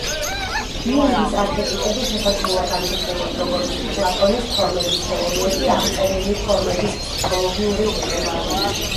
იუნგის არქეტიპები შესაძლოა განვიხილოთ, როგორც პლატონის ფორმების თეორიაში აღწერილი ფორმების ფსიქოლოგიური ეკვივალენტი.